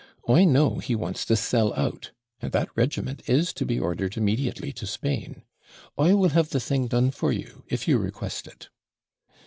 I know he wants to sell out; and that regiment is to be ordered immediately to Spain. I will have the thing done for you, if you request it.'